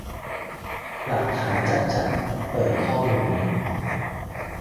หลักฐานจะจะ!เปิดข้อมูล